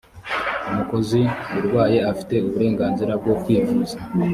umukozi urwaye afite uburenganzira bwo kwivuza.